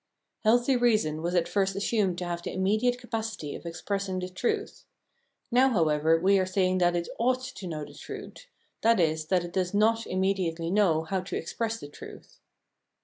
Healthy reason was at first assumed to have the immediate capacity of expressing the truth ; now, however, we are saying that it " ought " to know the truth, i.e. that it does not immediately know how to express the truth.